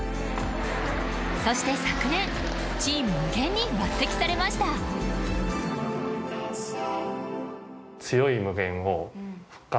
そして昨年チーム無限に抜てきされましたそうですね。